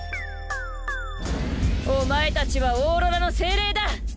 お前たちはオーロラの精霊だ！